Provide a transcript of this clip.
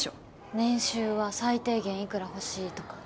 年収は最低限いくら欲しいとか？